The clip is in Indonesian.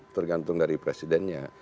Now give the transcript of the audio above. tergantung dari presidennya